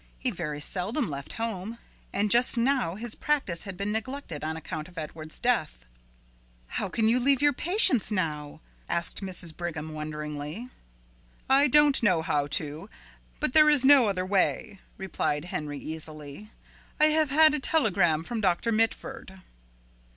He very seldom left home, and just now his practice had been neglected on account of Edward's death. "How can you leave your patients now?" asked Mrs. Brigham wonderingly. "I don't know how to, but there is no other way," replied Henry easily. "I have had a telegram from Dr. Mitford."